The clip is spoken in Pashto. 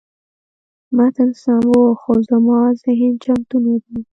متن سم و، خو زما ذهن چمتو نه و.